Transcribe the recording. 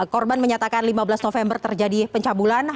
korban menyatakan lima belas november terjadi pencabulan